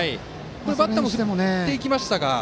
バッターも振っていきましたが。